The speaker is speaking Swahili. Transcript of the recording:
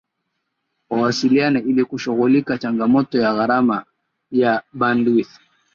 Wawasiliane ili kushughulikia changamoto ya gharama ya Bandwidth